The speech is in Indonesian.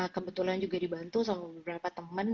kebetulan juga dibantu sama beberapa teman